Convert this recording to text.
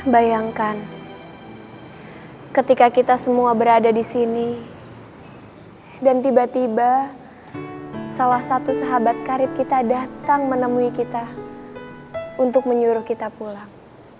bayangkan ketika kita semua berada di sini dan tiba tiba salah satu sahabat karib kita datang menemui kita untuk menyuruh kita pulang